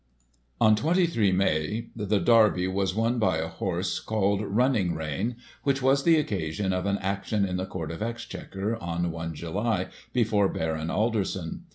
On 23 May, the Derby was won by a horse called Run ning Rein, which was the occasion of an Action in the Court of Exchequer, on i July, before Baron Alderson.